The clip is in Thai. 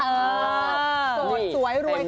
อ่อสดสวยรวยข่าวร้อน